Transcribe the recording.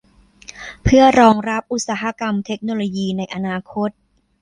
เพื่อรองรับอุตสาหกรรมเทคโนโลยีในอนาคต